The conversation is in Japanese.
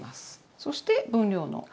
そして分量のお塩。